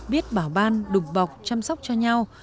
biết bảo ban đụng bọc chăm sóc cho nhau